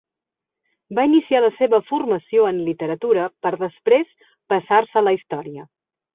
Va iniciar la seva formació en literatura per després passar-se a la història.